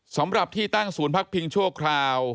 สำหรับที่ตั้งศูนย์พักพิงชั่วคราว